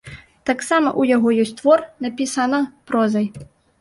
Таксама ў яго ёсць твор напісана прозай.